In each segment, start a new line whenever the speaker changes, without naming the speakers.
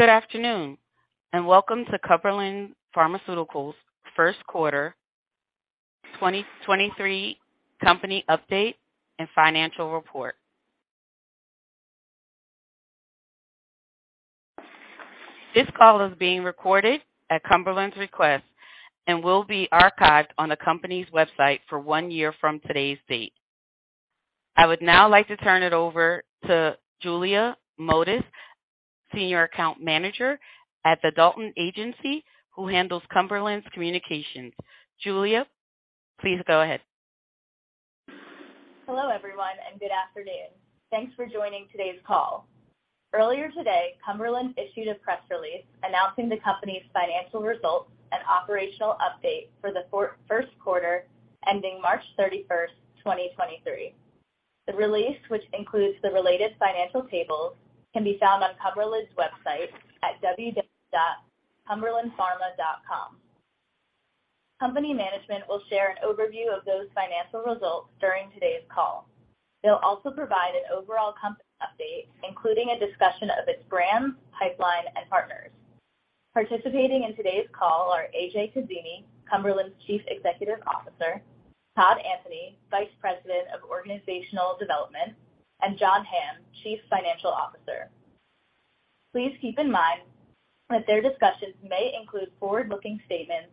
Good afternoon, and welcome to Cumberland Pharmaceuticals 1st quarter 2023 company update and financial report. This call is being recorded at Cumberland's request and will be archived on the company's website for 1 year from today's date. I would now like to turn it over to Julia Motis, Senior Account Manager at the Dalton Agency, who handles Cumberland's communications. Julia, please go ahead.
Hello, everyone, and good afternoon. Thanks for joining today's call. Earlier today, Cumberland issued a press release announcing the company's financial results and operational update for the first quarter ending March 31st, 2023. The release, which includes the related financial tables, can be found on Cumberland's website at www.cumberlandpharma.com. Company management will share an overview of those financial results during today's call. They'll also provide an overall company update, including a discussion of its brands, pipeline and partners. Participating in today's call are A.J. Kazimi, Cumberland's Chief Executive Officer, Todd Anthony, Vice President of Organizational Development, and John Hamm, Chief Financial Officer. Please keep in mind that their discussions may include forward-looking statements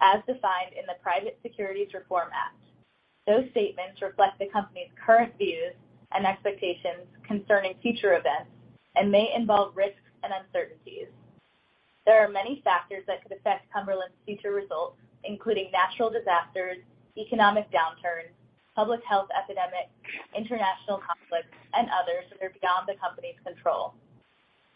as defined in the Private Securities Litigation Reform Act of 1995. Those statements reflect the company's current views and expectations concerning future events and may involve risks and uncertainties. There are many factors that could affect Cumberland's future results, including natural disasters, economic downturns, public health epidemics, international conflicts and others that are beyond the company's control.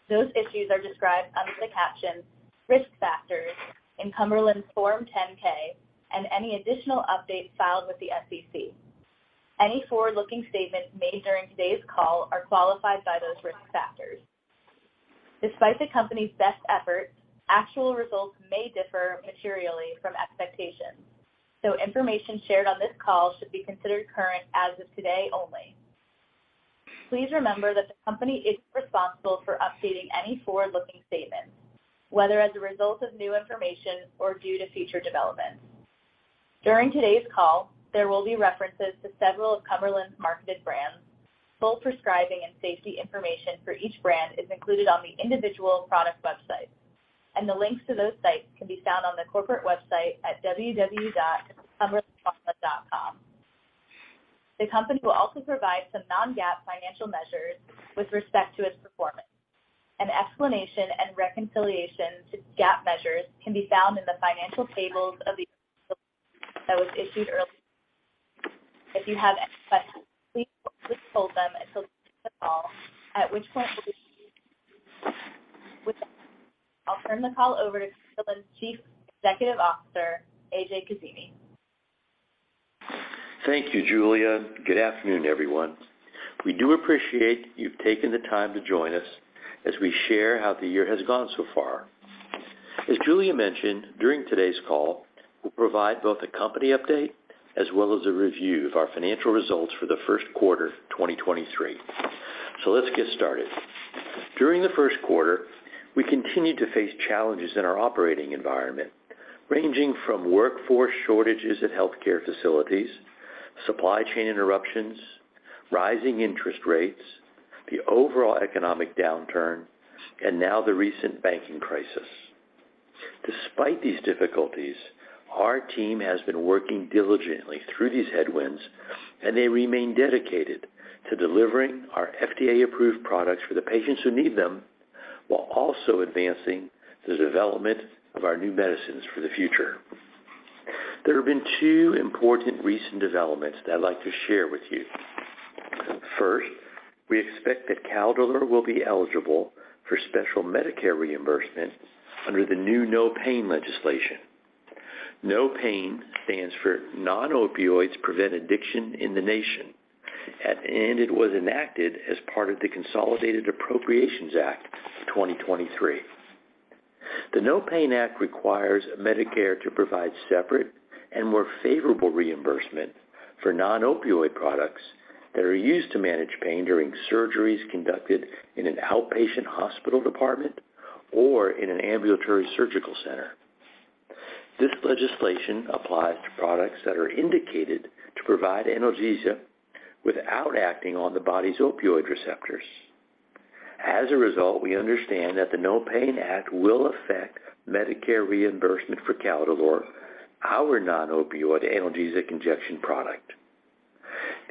Those issues are described under the caption Risk Factors in Cumberland's Form 10-K and any additional updates filed with the SEC. Any forward-looking statements made during today's call are qualified by those risk factors. Despite the company's best efforts, actual results may differ materially from expectations, so information shared on this call should be considered current as of today only. Please remember that the company is responsible for updating any forward-looking statements, whether as a result of new information or due to future developments. During today's call, there will be references to several of Cumberland's marketed brands. Full prescribing and safety information for each brand is included on the individual product websites, and the links to those sites can be found on the corporate website at www.cumberlandpharma.com. The company will also provide some non-GAAP financial measures with respect to its performance. An explanation and reconciliation to GAAP measures can be found in the financial tables of the that was issued earlier. If you have any questions, please withhold them until the end of the call, at which point. With that, I'll turn the call over to Cumberland's Chief Executive Officer, A.J. Kazimi.
Thank you, Julia. Good afternoon, everyone. We do appreciate you've taken the time to join us as we share how the year has gone so far. As Julia mentioned, during today's call, we'll provide both a company update as well as a review of our financial results for the first quarter 2023. Let's get started. During the 1st quarter, we continued to face challenges in our operating environment, ranging from workforce shortages at healthcare facilities, supply chain interruptions, rising interest rates, the overall economic downturn, and now the recent banking crisis. Despite these difficulties, our team has been working diligently through these headwinds, and they remain dedicated to delivering our FDA-approved products for the patients who need them, while also advancing the development of our new medicines for the future. There have been two important recent developments that I'd like to share with you. First, we expect that Caldolor will be eligible for special Medicare reimbursement under the new NOPAIN legislation. NOPAIN stands for Non-Opioids Prevent Addiction in the Nation, and it was enacted as part of the Consolidated Appropriations Act 2023. The NOPAIN Act requires Medicare to provide separate and more favorable reimbursement for non-opioid products that are used to manage pain during surgeries conducted in an outpatient hospital department or in an ambulatory surgical center. This legislation applies to products that are indicated to provide analgesia without acting on the body's opioid receptors. As a result, we understand that the NOPAIN Act will affect Medicare reimbursement for Caldolor, our non-opioid analgesic injection product.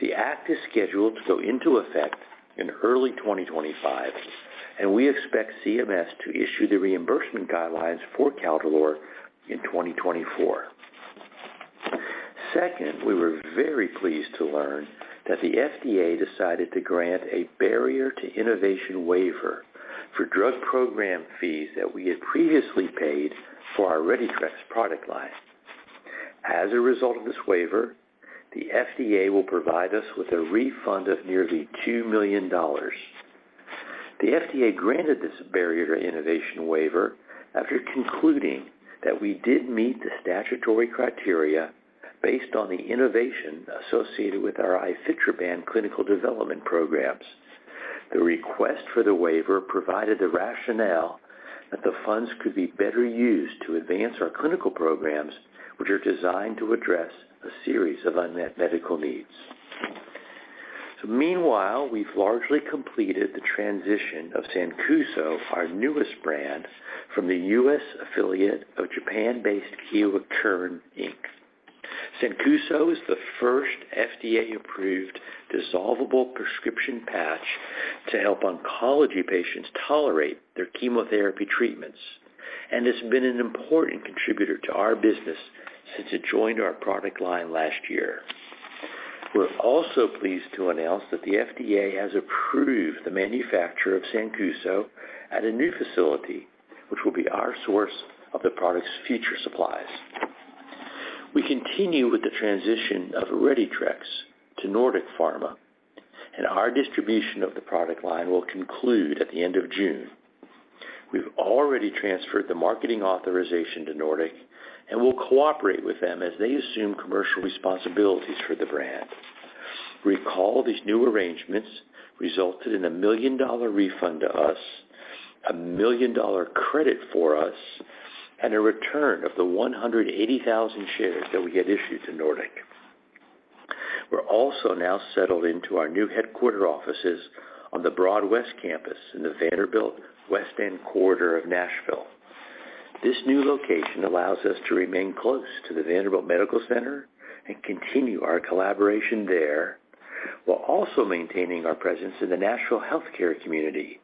The act is scheduled to go into effect in early 2025, and we expect CMS to issue the reimbursement guidelines for Caldolor in 2024. Second, we were very pleased to learn that the FDA decided to grant a barrier-to-innovation waiver for drug program fees that we had previously paid for our RediTrex product line. As a result of this waiver, the FDA will provide us with a refund of nearly $2 million. The FDA granted this barrier-to-innovation waiver after concluding that we did meet the statutory criteria. Based on the innovation associated with our ifetroban clinical development programs, the request for the waiver provided the rationale that the funds could be better used to advance our clinical programs, which are designed to address a series of unmet medical needs. Meanwhile, we've largely completed the transition of Sancuso, our newest brand, from the U.S. affiliate of Japan-based Kyowa Kirin, Inc. Sancuso is the first FDA-approved dissolvable prescription patch to help oncology patients tolerate their chemotherapy treatments and has been an important contributor to our business since it joined our product line last year. We're also pleased to announce that the FDA has approved the manufacturer of Sancuso at a new facility, which will be our source of the product's future supplies. We continue with the transition of RediTrex to Nordic Pharma, and our distribution of the product line will conclude at the end of June. We've already transferred the marketing authorization to Nordic and will cooperate with them as they assume commercial responsibilities for the brand. Recall these new arrangements resulted in a $1 million refund to us, a $1 million credit for us, and a return of the 180,000 shares that we had issued to Nordic. We're also now settled into our new headquarter offices on the Broadwest campus in the Vanderbilt West End corridor of Nashville. This new location allows us to remain close to the Vanderbilt Medical Center and continue our collaboration there, while also maintaining our presence in the national healthcare community,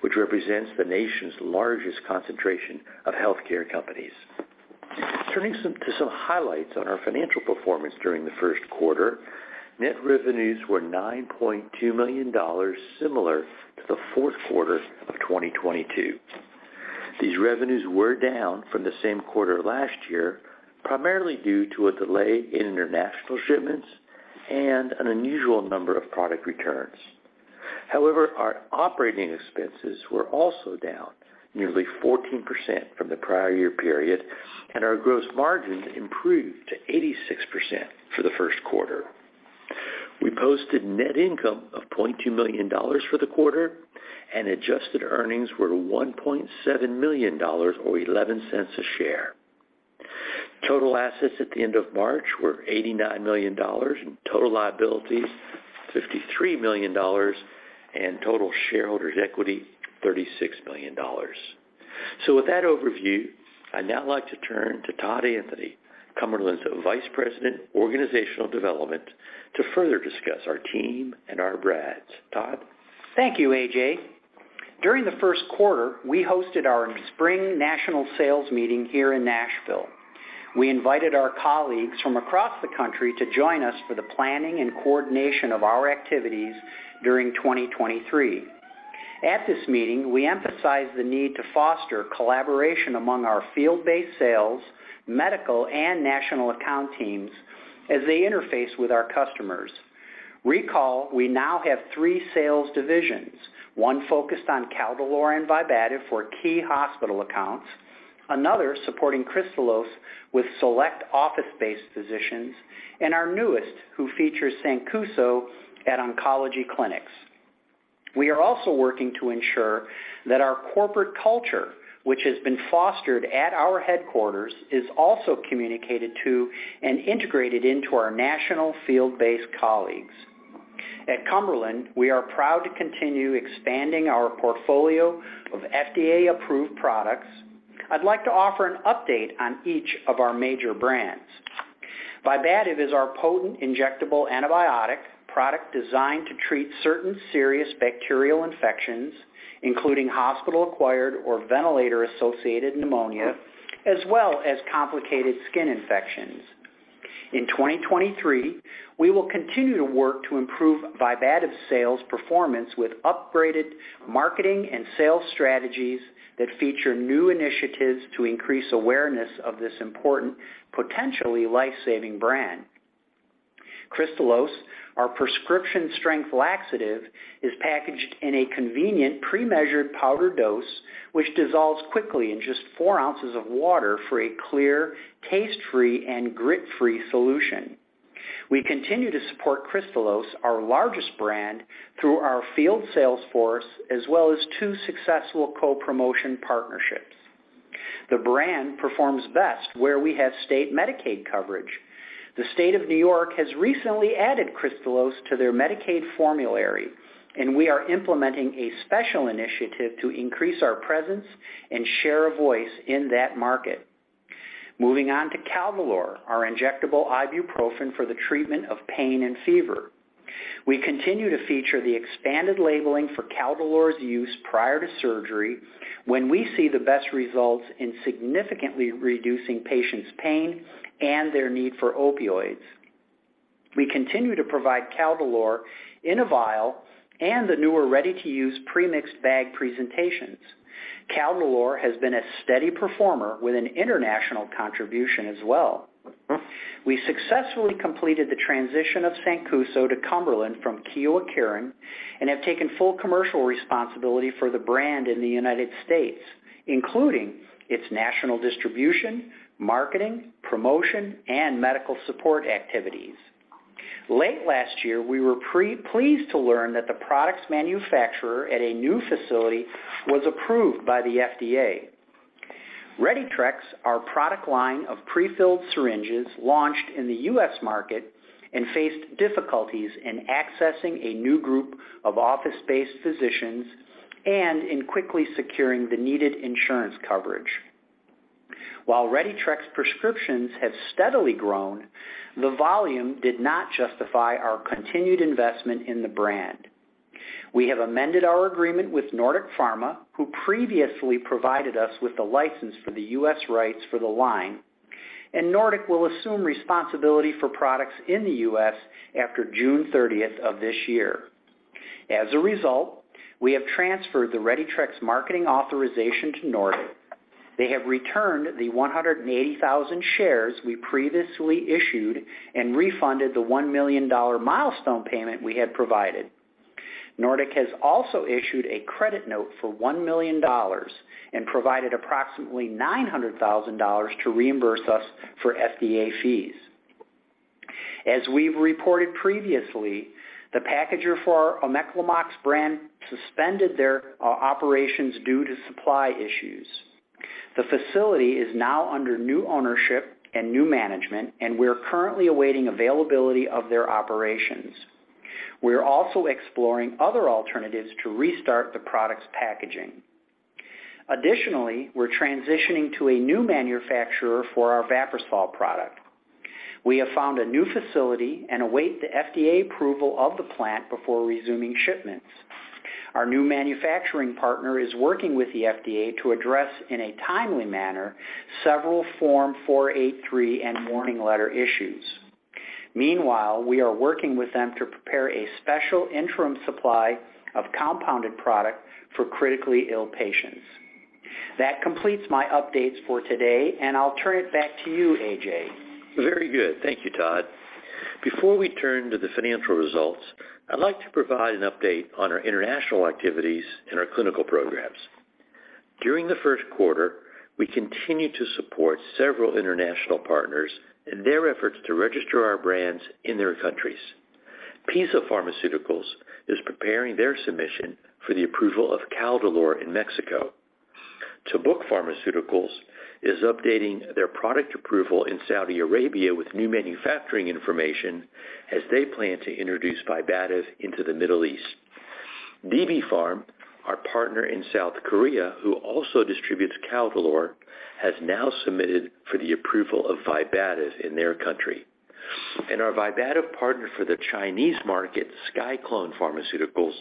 which represents the nation's largest concentration of healthcare companies. Turning to some highlights on our financial performance during the first quarter, net revenues were $9.2 million, similar to the fourth quarter of 2022. These revenues were down from the same quarter last year, primarily due to a delay in international shipments and an unusual number of product returns. Our operating expenses were also down nearly 14% from the prior year period, and our gross margin improved to 86% for the first quarter. We posted net income of $0.2 million for the quarter, and adjusted earnings were $1.7 million, or $0.11 a share. Total assets at the end of March were $89 million, and total liabilities $53 million, and total shareholders' equity $36 million. With that overview, I'd now like to turn to Todd Anthony, Cumberland's Vice President, Organizational Development, to further discuss our team and our brands. Todd?
Thank you, A.J. During the first quarter, we hosted our spring national sales meeting here in Nashville. We invited our colleagues from across the country to join us for the planning and coordination of our activities during 2023. At this meeting, we emphasized the need to foster collaboration among our field-based sales, medical, and national account teams as they interface with our customers. Recall, we now have three sales divisions, one focused on Caldolor and Vibativ for key hospital accounts, another supporting Kristalose with select office-based physicians, and our newest, who features Sancuso at oncology clinics. We are also working to ensure that our corporate culture, which has been fostered at our headquarters, is also communicated to and integrated into our national field-based colleagues. At Cumberland, we are proud to continue expanding our portfolio of FDA-approved products. I'd like to offer an update on each of our major brands. Vibativ is our potent injectable antibiotic product designed to treat certain serious bacterial infections, including hospital-acquired or ventilator-associated pneumonia, as well as complicated skin infections. In 2023, we will continue to work to improve Vibativ sales performance with upgraded marketing and sales strategies that feature new initiatives to increase awareness of this important, potentially life-saving brand. Kristalose, our prescription strength laxative, is packaged in a convenient pre-measured powder dose, which dissolves quickly in just 4 ounces of water for a clear, taste-free, and grit-free solution. We continue to support Kristalose, our largest brand, through our field sales force, as well as 2 successful co-promotion partnerships. The brand performs best where we have state Medicaid coverage. The State of New York has recently added Kristalose to their Medicaid formulary, and we are implementing a special initiative to increase our presence and share a voice in that market. Moving on to Caldolor, our injectable ibuprofen for the treatment of pain and fever. We continue to feature the expanded labeling for Caldolor's use prior to surgery, when we see the best results in significantly reducing patients' pain and their need for opioids. We continue to provide Caldolor in a vial and the newer ready-to-use pre-mixed bag presentations. Caldolor has been a steady performer with an international contribution as well. We successfully completed the transition of Sancuso to Cumberland from Kyowa Kirin and have taken full commercial responsibility for the brand in the United States, including its national distribution, marketing, promotion, and medical support activities. Late last year, we were pre-pleased to learn that the product's manufacturer at a new facility was approved by the FDA. RediTrex, our product line of prefilled syringes, launched in the U.S. market and faced difficulties in accessing a new group of office-based physicians and in quickly securing the needed insurance coverage. While RediTrex prescriptions have steadily grown, the volume did not justify our continued investment in the brand. We have amended our agreement with Nordic Pharma, who previously provided us with the license for the U.S. rights for the line, and Nordic will assume responsibility for products in the U.S. after June 30th of this year. As a result, we have transferred the RediTrex marketing authorization to Nordic. They have returned the 180,000 shares we previously issued and refunded the $1 million milestone payment we had provided. Nordic has also issued a credit note for $1 million and provided approximately $900,000 to reimburse us for FDA fees. As we've reported previously, the packager for our Omeclamox-Pak brand suspended their operations due to supply issues. The facility is now under new ownership and new management, and we're currently awaiting availability of their operations. We're also exploring other alternatives to restart the product's packaging. Additionally, we're transitioning to a new manufacturer for our Vaprisol product. We have found a new facility and await the FDA approval of the plant before resuming shipments. Our new manufacturing partner is working with the FDA to address, in a timely manner, several Form-483 and warning letter issues. Meanwhile, we are working with them to prepare a special interim supply of compounded product for critically ill patients. That completes my updates for today, and I'll turn it back to you, A.J. Kazimi.
Very good. Thank you, Todd. Before we turn to the financial results, I'd like to provide an update on our international activities and our clinical programs. During the first quarter, we continued to support several international partners in their efforts to register our brands in their countries. PiSA Farmacéutica is preparing their submission for the approval of Caldolor in Mexico. Tabuk Pharmaceuticals is updating their product approval in Saudi Arabia with new manufacturing information as they plan to introduce Vibativ into the Middle East. DB Pharm, our partner in South Korea, who also distributes Caldolor, has now submitted for the approval of Vibativ in their country. Our Vibativ partner for the Chinese market, SciClone Pharmaceuticals,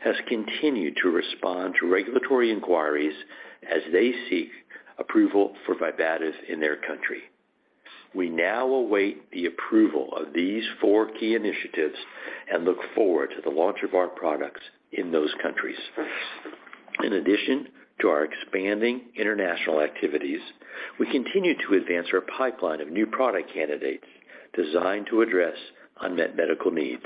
has continued to respond to regulatory inquiries as they seek approval for Vibativ in their country. We now await the approval of these 4 key initiatives and look forward to the launch of our products in those countries. In addition to our expanding international activities, we continue to advance our pipeline of new product candidates designed to address unmet medical needs.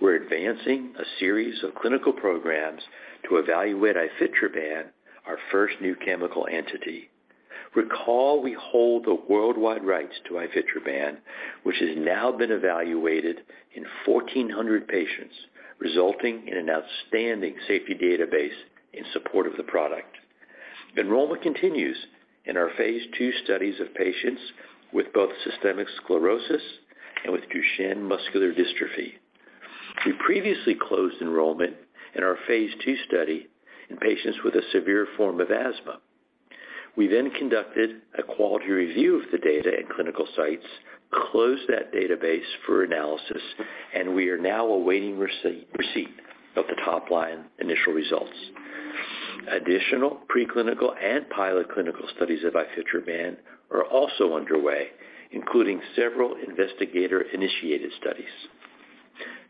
We're advancing a series of clinical programs to evaluate ifetroban, our first new chemical entity. Recall we hold the worldwide rights to ifetroban, which has now been evaluated in 1,400 patients, resulting in an outstanding safety database in support of the product. Enrollment continues in our phase II studies of patients with both Systemic Sclerosis and with Duchenne Muscular Dystrophy. We previously closed enrollment in our phase II study in patients with a severe form of asthma. We then conducted a quality review of the data at clinical sites, closed that database for analysis, and we are now awaiting receipt of the top-line initial results. Additional preclinical and pilot clinical studies of ifetroban are also underway, including several investigator-initiated studies.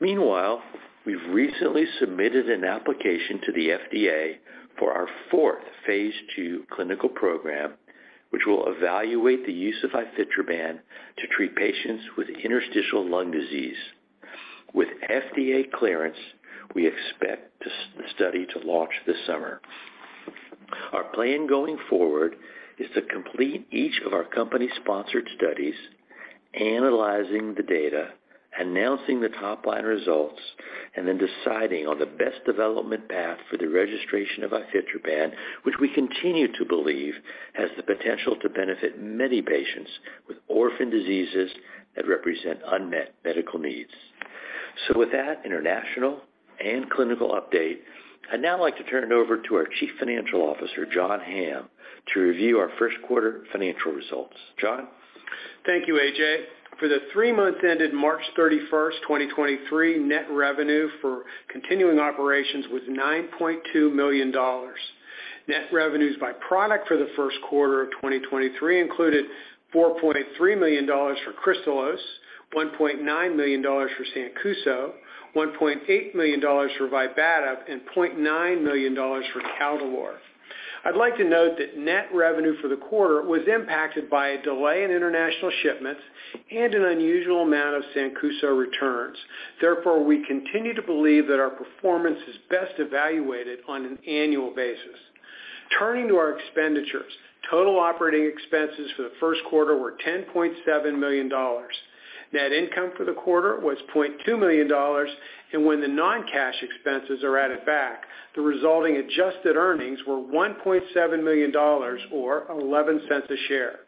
Meanwhile, we've recently submitted an application to the FDA for our fourth phase II clinical program, which will evaluate the use of ifetroban to treat patients with interstitial lung disease. With FDA clearance, we expect this study to launch this summer. Our plan going forward is to complete each of our company-sponsored studies, analyzing the data, announcing the top-line results, and then deciding on the best development path for the registration of ifetroban, which we continue to believe has the potential to benefit many patients with orphan diseases that represent unmet medical needs. With that international and clinical update, I'd now like to turn it over to our Chief Financial Officer, John Hamm, to review our first quarter financial results. John?
Thank you, A.J. For the three months ending March 31st, 2023, net revenue for continuing operations was $9.2 million. Net revenues by product for the first quarter of 2023 included $4.3 million for Kristalose, $1.9 million for Sancuso, $1.8 million for Vibativ, and $0.9 million for Caldolor. I'd like to note that net revenue for the quarter was impacted by a delay in international shipments and an unusual amount of Sancuso returns. Therefore, we continue to believe that our performance is best evaluated on an annual basis. Turning to our expenditures. Total operating expenses for the first quarter were $10.7 million. Net income for the quarter was $0.2 million. When the non-cash expenses are added back, the resulting adjusted earnings were $1.7 million or $0.11 a share.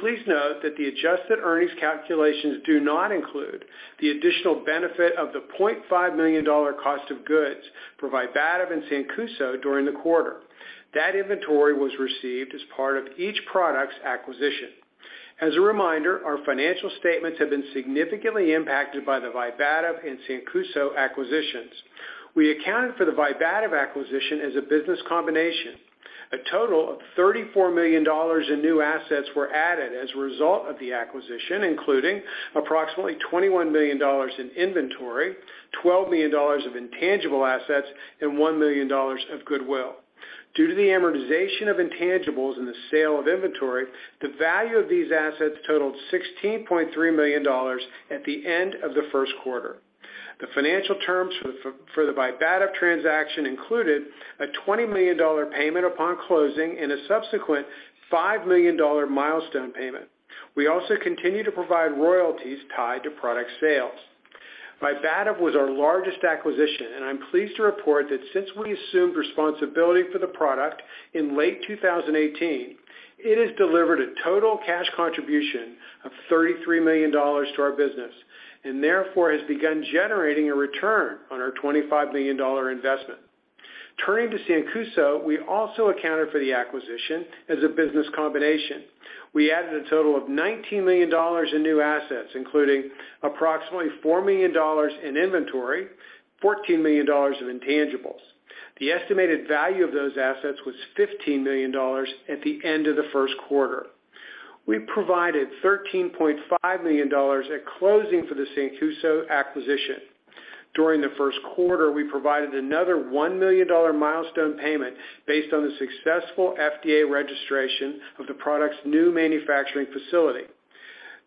Please note that the adjusted earnings calculations do not include the additional benefit of the $0.5 million cost of goods for Vibativ and Sancuso during the quarter. That inventory was received as part of each product's acquisition. As a reminder, our financial statements have been significantly impacted by the Vibativ and Sancuso acquisitions. We accounted for the Vibativ acquisition as a business combination. A total of $34 million in new assets were added as a result of the acquisition, including approximately $21 million in inventory, $12 million of intangible assets, and $1 million of goodwill. Due to the amortization of intangibles and the sale of inventory, the value of these assets totaled $16.3 million at the end of the first quarter. The financial terms for the Vibativ transaction included a $20 million payment upon closing and a subsequent $5 million milestone payment. We also continue to provide royalties tied to product sales. Vibativ was our largest acquisition, and I'm pleased to report that since we assumed responsibility for the product in late 2018, it has delivered a total cash contribution of $33 million to our business, and therefore has begun generating a return on our $25 million investment. Turning to Sancuso, we also accounted for the acquisition as a business combination. We added a total of $19 million in new assets, including approximately $4 million in inventory, $14 million of intangibles. The estimated value of those assets was $15 million at the end of the first quarter. We provided $13.5 million at closing for the Sancuso acquisition. During the first quarter, we provided another $1 million milestone payment based on the successful FDA registration of the product's new manufacturing facility.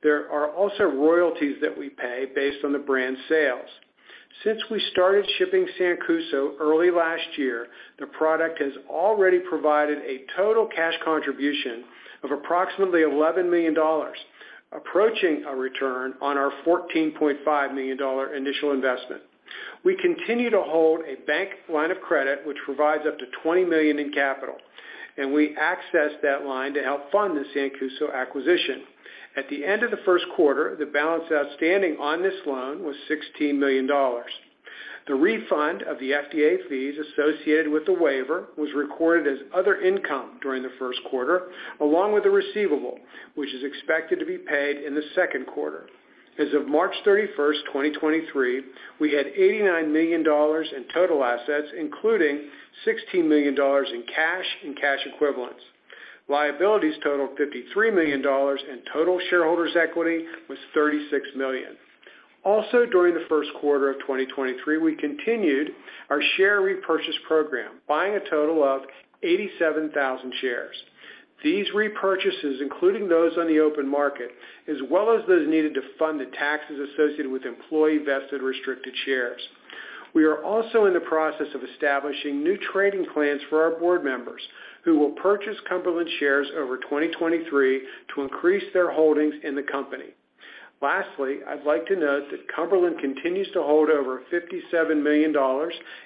There are also royalties that we pay based on the brand sales. Since we started shipping Sancuso early last year, the product has already provided a total cash contribution of approximately $11 million, approaching a return on our $14.5 million initial investment. We continue to hold a bank line of credit, which provides up to $20 million in capital, and we accessed that line to help fund the Sancuso acquisition. At the end of the first quarter, the balance outstanding on this loan was $16 million. The refund of the FDA fees associated with the waiver was recorded as other income during the 1st quarter, along with the receivable, which is expected to be paid in the 2nd quarter. As of March 31st, 2023, we had $89 million in total assets, including $16 million in cash and cash equivalents. Liabilities totaled $53 million, and total shareholders' equity was $36 million. During the 1st quarter of 2023, we continued our share repurchase program, buying a total of 87,000 shares. These repurchases, including those on the open market, as well as those needed to fund the taxes associated with employee-vested restricted shares. We are also in the process of establishing new trading plans for our board members who will purchase Cumberland shares over 2023 to increase their holdings in the company. Lastly, I'd like to note that Cumberland continues to hold over $57 million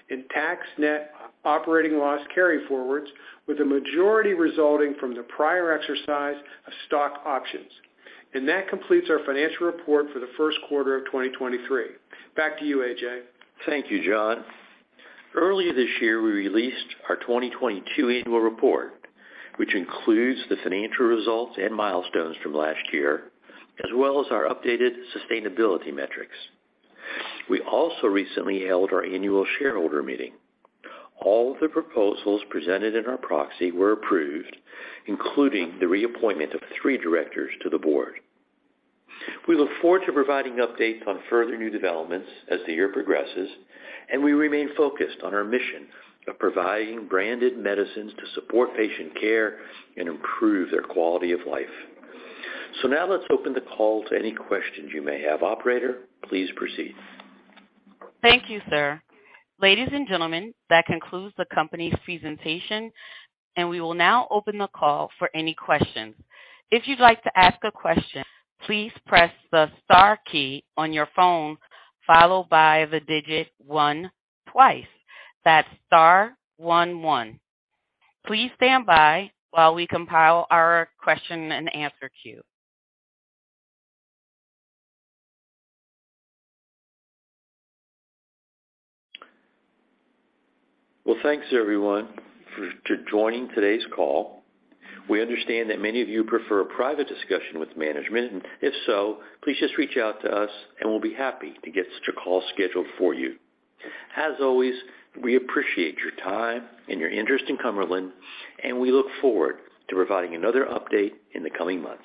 in tax net operating loss carryforwards, with the majority resulting from the prior exercise of stock options. That completes our financial report for the first quarter of 2023. Back to you, A.J..
Thank you, John. Earlier this year, we released our 2022 annual report, which includes the financial results and milestones from last year, as well as our updated sustainability metrics. We also recently held our annual shareholder meeting. All the proposals presented in our proxy were approved, including the reappointment of three directors to the board. We look forward to providing updates on further new developments as the year progresses, and we remain focused on our mission of providing branded medicines to support patient care and improve their quality of life. Now let's open the call to any questions you may have. Operator, please proceed.
Thank you, sir. Ladies and gentlemen, that concludes the company's presentation. We will now open the call for any questions. If you'd like to ask a question, please press the star key on your phone, followed by the digit 1 twice. That's star 1 1. Please stand by while we compile our question and answer queue.
Well, thanks everyone for joining today's call. We understand that many of you prefer a private discussion with management. If so, please just reach out to us and we'll be happy to get such a call scheduled for you. As always, we appreciate your time and your interest in Cumberland. We look forward to providing another update in the coming months.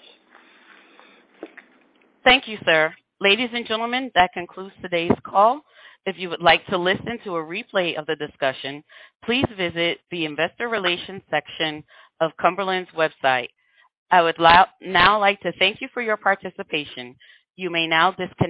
Thank you, sir. Ladies and gentlemen, that concludes today's call. If you would like to listen to a replay of the discussion, please visit the investor relations section of Cumberland's website. I would now like to thank you for your participation. You may now disconnect.